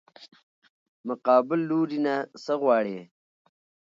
مقابل لوري نه څه غواړې؟